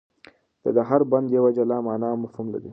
د ده هر بند یوه جلا مانا او مفهوم لري.